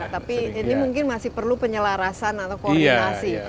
tapi ini mungkin masih perlu penyelarasan atau koordinasi